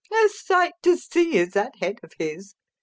"A sight to see is that head of his!"